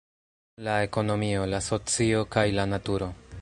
la ekonomio, la socio, kaj la naturo.